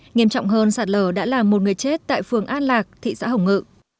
nghiêm trọng hơn sạt lở đã làm một người chết tại phường an lạc thị xã hồng ngự